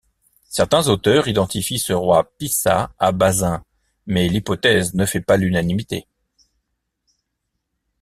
Certains auteurs identifient ce roi Pissa à Basin, mais l'hypothèse ne fait pas l'unanimité.